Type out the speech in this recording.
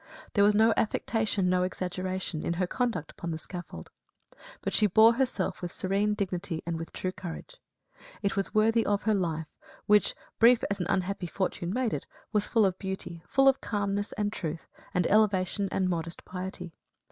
There was no affectation, no exaggeration, in her conduct upon the scaffold; but she bore herself with serene dignity and with true courage. It was worthy of her life which, brief as an unhappy fortune made it, was full of beauty, full of calmness, and truth, and elevation and modest piety.